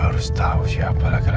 sisi rumah ini